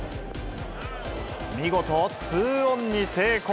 見事、２オンに成功。